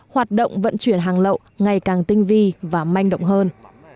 hoạt động vận chuyển hàng lậu ngày càng tinh vi và manh động hơn